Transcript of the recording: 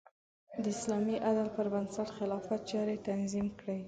د اسلامي عدل پر بنسټ خلافت چارې تنظیم کړې.